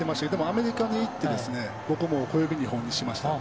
アメリカに行って僕も小指２本にしました。